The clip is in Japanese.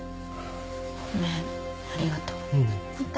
ごめんありがとう。いった。